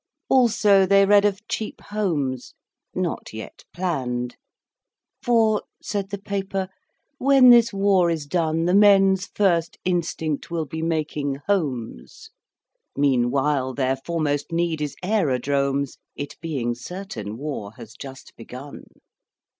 Also, they read of Cheap Homes, not yet planned; For, said the paper, "When this war is done The men's first instinct will be making homes. Meanwhile their foremost need is aerodromes, It being certain war has just begun.